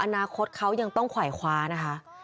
อนาคตเขายังต้องขวายคว้านะคะ